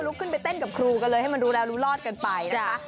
ขึ้นไปเต้นกับครูกันเลยให้มันรู้แล้วรู้รอดกันไปนะคะ